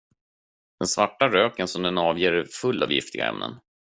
Den svarta röken som den avger är full av giftiga ämnen.